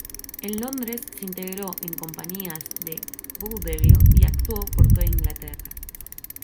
En Londres se integró en compañías de vodevil y actuó por toda Inglaterra.